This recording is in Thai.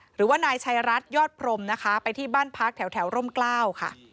หรือว่านายชัยรัฐยอดพรมนะคะไปที่บ้านพักแถวร่มกล้าวค่ะ